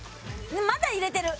まだ入れてる。